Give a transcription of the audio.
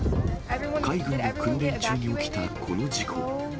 海軍の訓練中に起きたこの事故。